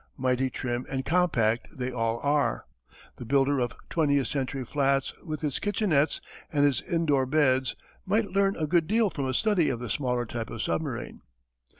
Mighty trim and compact they all are. The builder of twentieth century flats with his kitchenettes and his in door beds might learn a good deal from a study of the smaller type of submarine.